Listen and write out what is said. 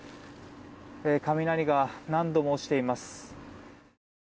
雷が何度も落ちています。